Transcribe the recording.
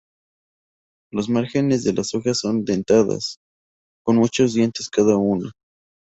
Los márgenes de las hojas son dentadas, con muchos dientes cada uno.